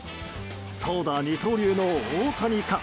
投打二刀流の大谷か